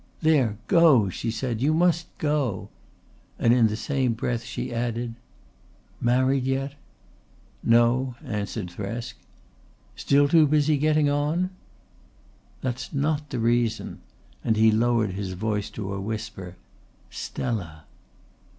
"There go!" she said. "You must go," and in the same breath she added: "Married yet?" "No," answered Thresk. "Still too busy getting on?" "That's not the reason" and he lowered his voice to a whisper "Stella."